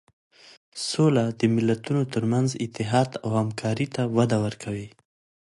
سوله د ملتونو تر منځ اتحاد او همکاري ته وده ورکوي.